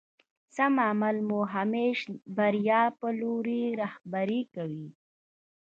سم عمل مو همېش بريا په لوري رهبري کوي.